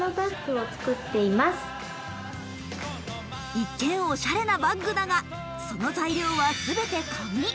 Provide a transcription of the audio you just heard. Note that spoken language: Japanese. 一見おしゃれなバッグだが、その材料は全て紙。